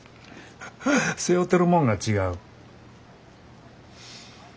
背負てるもんが違う。